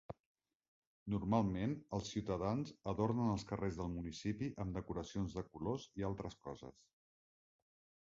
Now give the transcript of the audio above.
Normalment, els ciutadans adornen els carrers del municipi amb decoracions de colors i altres coses.